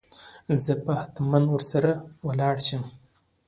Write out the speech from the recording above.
زه به هتمن ور سره ولاړ شم.